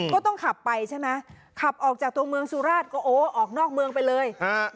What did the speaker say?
ก็ต้องขับไปใช่ไหมขับออกจากตัวเมืองสุราชก็โอ้ออกนอกเมืองไปเลย